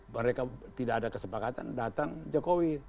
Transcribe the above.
mereka tidak ada kesepakatan datang jokowi